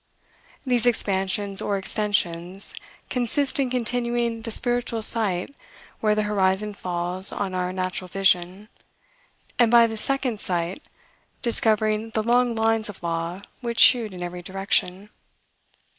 These expansions, or extensions, consist in continuing the spiritual sight where the horizon falls on our natural vision, and, by this second sight, discovering the long lines of law which shoot in every direction.